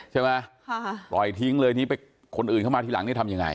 ใช่ไหมปล่อยทิ้งเลยนี่ไปคนอื่นเข้ามาทีหลังนี่ทำยังไง